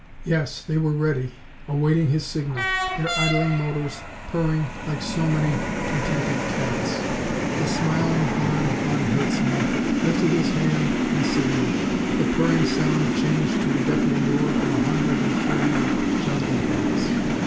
Yes, they were ready, awaiting his signal, their idling motors purring like so many contented cats. The smiling, blond von Herzmann lifted his hand in signal. The purring sound changed to the deafening roar of a hundred infuriated jungle cats.